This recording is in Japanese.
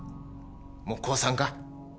もう降参か？